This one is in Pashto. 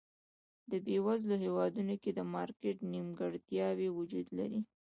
په بېوزلو هېوادونو کې د مارکېټ نیمګړتیاوې وجود لري.